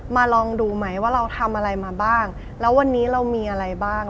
ลองดูไหมว่าเราทำอะไรมาบ้างแล้ววันนี้เรามีอะไรบ้าง